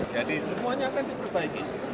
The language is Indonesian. jadi semuanya akan diperbaiki